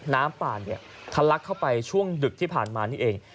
น้ำป่าเนี่ยทะลักเข้าไปช่วงดึกที่ผ่านมานี่เอง